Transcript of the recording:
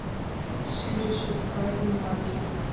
Ший решотка ӱмбаке